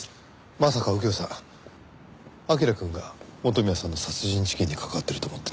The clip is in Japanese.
まさか右京さん彬くんが元宮さんの殺人事件に関わってると思ってるんですか？